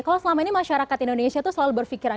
kalau selama ini masyarakat indonesia itu selalu berpikiran